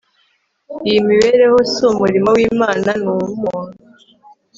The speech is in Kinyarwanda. Iyi mibereho si umurimo wImana ni uwumuntu